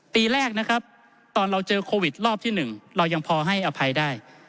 ปีแรกนะครับตอนเราเจอโควิดรอบที่๑เรายังพอให้อภัยได้